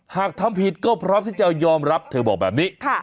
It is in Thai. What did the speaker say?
หากทำผิดก็พร้อมที่จะยอมรับเธอบอกแบบนี้